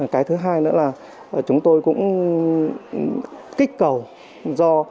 cái thứ hai nữa là chúng tôi cũng kích cầu do